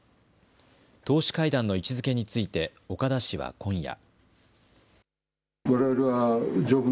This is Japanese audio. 党首会談の位置づけについて岡田氏は今夜。